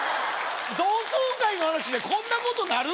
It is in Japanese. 同窓会の話でこんなことなる？